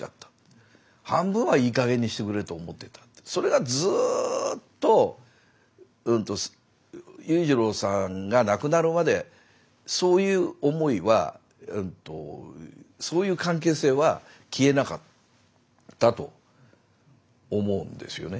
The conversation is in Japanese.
それがずっと裕次郎さんが亡くなるまでそういう思いはそういう関係性は消えなかったと思うんですよね。